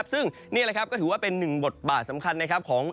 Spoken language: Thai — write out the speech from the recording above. ซึ่งนี่หนึ่งบทบาทสำคัญของ